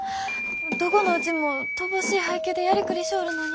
どこのうちも乏しい配給でやりくりしょおるのに。